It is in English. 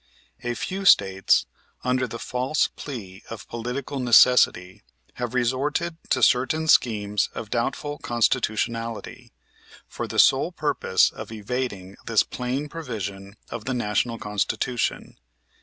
A few States, under the false plea of political necessity, have resorted to certain schemes of doubtful constitutionality, for the sole purpose of evading this plain provision of the National Constitution.